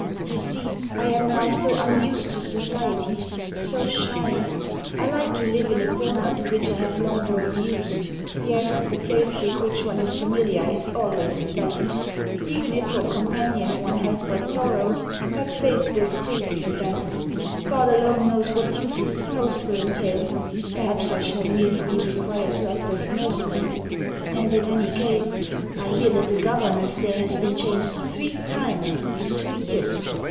You see, I am now so unused to society so shy! I like to live in a corner to which I have long grown used. Yes, the place with which one is familiar is always the best. Even if for companion one has but sorrow, that place will still be the best.... God alone knows what duties the post will entail. Perhaps I shall merely be required to act as nursemaid; and in any case, I hear that the governess there has been changed three times in two years.